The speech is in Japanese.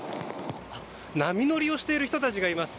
波乗りをしている人たちがいます。